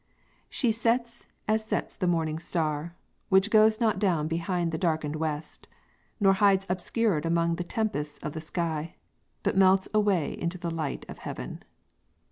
"She set as sets the morning star, which goes Not down behind the darkened west, nor hides Obscured among the tempests of the sky, But melts away into the light of heaven."